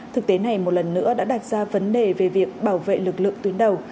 thực tế này một lần nữa đã đặt ra vấn đề về việc bảo vệ lực lượng tuyến đầu